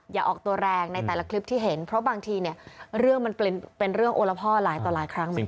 อย่าออกตัวแรงในคลิปที่เห็นบางทีมันเป็นเรื่องโอระภอล้ายต่อหลายครั้ง